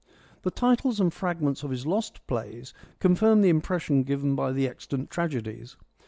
The titles and fragments of his lost plays confirm the impression given by the extant tragedies.